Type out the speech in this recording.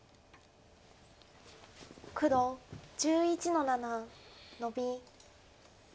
黒１１の七ノビ。